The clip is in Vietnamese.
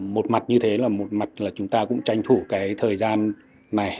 một mặt như thế là chúng ta cũng tranh thủ thời gian này